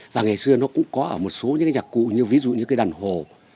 và ngày xưa nó cũng có ở một số những nhạc cụ như ví dụ như cây đàn hồ